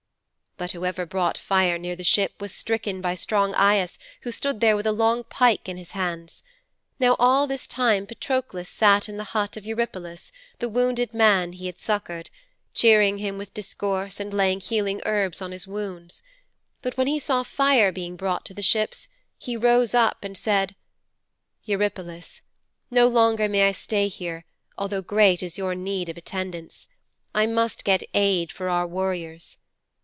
"' 'But whoever brought fire near the ship was stricken by strong Aias who stood there with a long pike in his hands. Now all this time Patroklos sat in the hut of Eurypylos, the wounded man he had succoured, cheering him with discourse and laying healing herbs on his wounds. But when he saw fire being brought to the ships he rose up and said, "Eurypylos, no longer may I stay here although great is your need of attendance. I must get aid for our warriors."